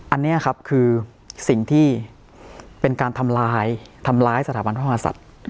อันนี้ครับคือสิ่งที่เป็นการทำลายทำร้ายสถาบันพระมหาศัตริย์